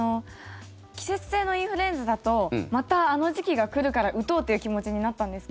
季節性のインフルエンザだとまたあの時期が来るから打とうという気持ちになったんですが。